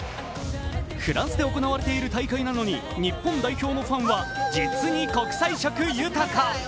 フランスで行われている大会なのに日本代表のファンは実に国際色豊か。